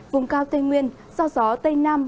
vùng cao tây nguyên gió gió tây nam